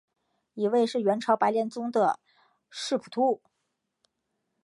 一位是元朝白莲宗的释普度。